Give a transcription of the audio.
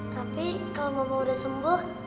tapi kalo mama udah sembuh